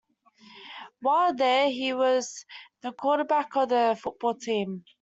While there, he was the quarterback of the football team.